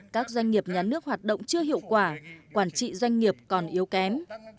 các doanh nghiệp nhà nước hoạt động chưa hiệu quả quản trị doanh nghiệp còn yếu kém